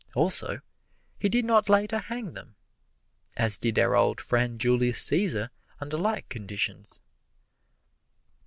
Also, he did not later hang them, as did our old friend Julius Cæsar under like conditions.